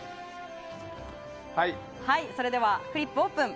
それではフリップ、オープン。